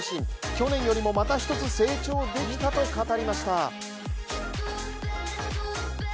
去年よりもまた１つ成長できたと語りました。